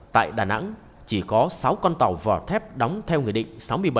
tại đà nẵng chỉ có sáu con tàu vỏ thép đóng theo nghị định sáu mươi bảy